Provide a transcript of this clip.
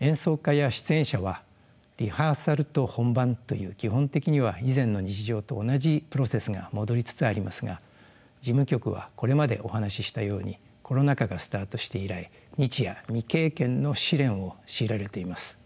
演奏家や出演者はリハーサルと本番という基本的には以前の日常と同じプロセスが戻りつつありますが事務局はこれまでお話ししたようにコロナ禍がスタートして以来日夜未経験の試練を強いられています。